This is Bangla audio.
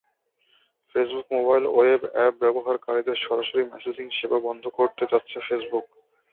ফেসবুক মোবাইল ওয়েব অ্যাপ ব্যবহারকারীদের সরাসরি মেসেজিং সেবা দেওয়া বন্ধ করতে যাচ্ছে ফেসবুক।